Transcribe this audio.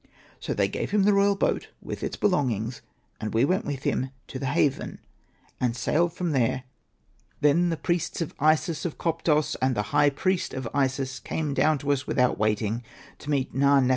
So they gave him the royal boat with its belongings, and we went with him to the haven, and sailed from there up to Koptos. " Then the priests of I sis of Koptos, and the high priest of Isis, came down to us without waiting, to meet Na.